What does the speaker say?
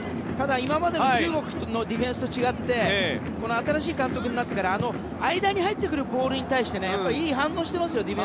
ただ、今までの中国のディフェンスと違って新しい監督になってから間に入ってくるボールに対していい反応をしていますよ